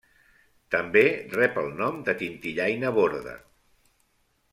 També rep el nom de tintillaina borda.